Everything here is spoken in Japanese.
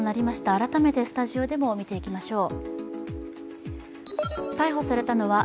改めてスタジオでも見ていきましょう。